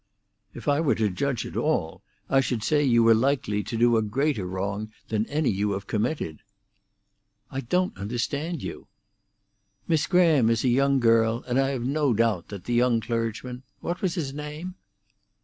"If I were to judge at all, I should say you were likely to do a greater wrong than any you have committed." "I don't understand you." "Miss Graham is a young girl, and I have no doubt that the young clergyman—what was his name?"